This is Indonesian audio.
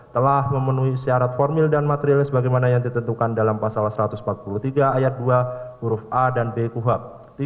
telah memenuhi syarat formil dan material sebagaimana yang ditentukan dalam pasal satu ratus empat puluh tiga ayat dua huruf a dan b kuhab